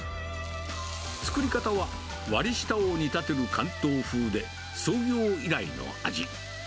作り方は、割り下を煮立てる関東風で、創業以来の味。